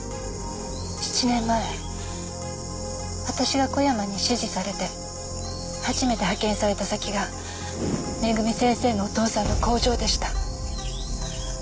７年前私が小山に指示されて初めて派遣された先がめぐみ先生のお父さんの工場でした。